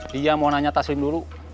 dia mau nanya tasin dulu